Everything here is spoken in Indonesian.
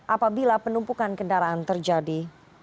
apabila penumpukan kendaraan terjadi